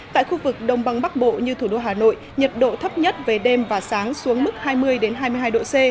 tại khu vực đông băng bắc bộ như thủ đô hà nội nhiệt độ thấp nhất về đêm và sáng xuống mức hai mươi hai mươi hai độ c